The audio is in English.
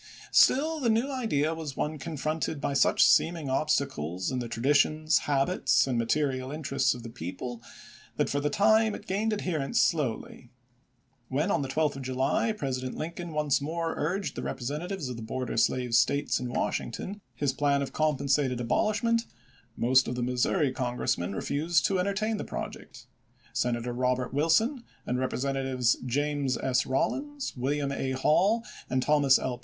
Still the new idea was one confronted by such seeming obstacles in the tradi tions, habits, and material interests of the people, that for the time it gained adherents slowly. When, on the 12th of July, President Lincoln 1862. once more urged upon the Representatives of the border slave States in Washington his plan of com pensated abolishment, most of the Missouri Con gressmen refused to entertain the project : Senator Robert Wilson and Representatives James S. Rol lins, William A. Hall, and Thomas L.